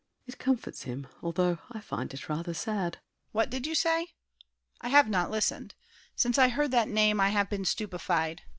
] It comforts him, although I find it rather sad. DIDIER. What did you say? I have not listened. Since I heard that name I have been stupefied.